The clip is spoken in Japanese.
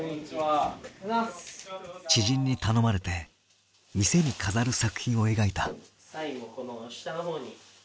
知人に頼まれて店に飾る作品を描いた。